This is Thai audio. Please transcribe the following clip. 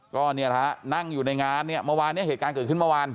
ก็นี่นะฮะนั่งอยู่ในงานเนี่ยเหตุการณ์เกิดขึ้นเมื่อวาน